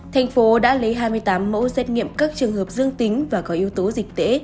thành phố đã lấy hai mươi tám mẫu xét nghiệm các trường hợp dương tính và có yếu tố dịch tễ